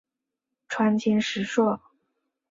川黔石栎